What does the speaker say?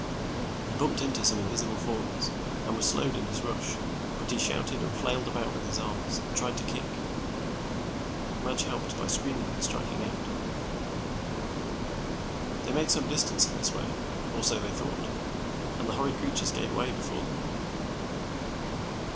He bumped into some invisible forms and was slowed in his rush, but he shouted and flailed about with his arms, and tried to kick. Madge helped by screaming and striking out. They made some distance in this way, or so they thought, and the horrid creatures gave way before them.